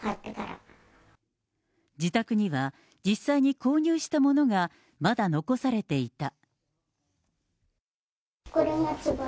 自宅には、実際に購入したものがまだ残されていた。